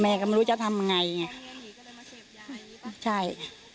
แม่ก็ไม่รู้จะทำแบบไร